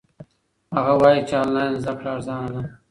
هغه وایي چې آنلاین زده کړه ارزانه ده.